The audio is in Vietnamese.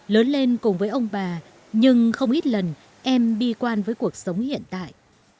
lớn lên cùng với ông bà nhưng không ít lần em bi quan với cuộc sống hiện tại